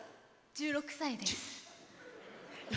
１６歳です。